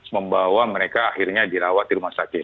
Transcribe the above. membawa mereka akhirnya dirawat di rumah sakit